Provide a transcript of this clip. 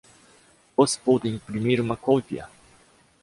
Você pode imprimir uma cópia?